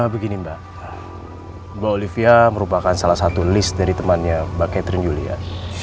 begini mbak olivia merupakan salah satu list dari temannya mbak catherine julia